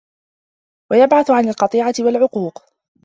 وَيَبْعَثُ عَلَى الْقَطِيعَةِ وَالْعُقُوقِ